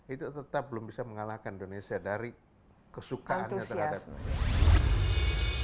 itu tetap belum bisa mengalahkan indonesia dari kesukaannya terhadap indonesia